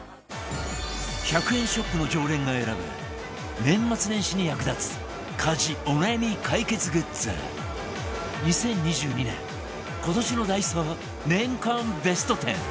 １００円ショップの常連が選ぶ年末年始に役立つ家事お悩み解決グッズ２０２２年今年のダイソー年間ベスト１０